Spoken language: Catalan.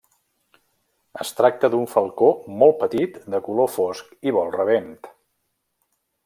Es tracta d'un falcó molt petit, de color fosc i vol rabent.